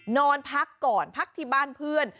นอนพักก่อนพักที่บ้านเพื่อน